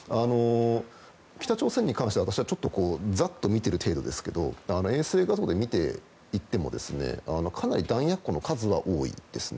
北朝鮮に関しては私はちょっとざっと見ている程度ですけども衛星画像で見ていってもかなり弾薬庫の数は多いですね。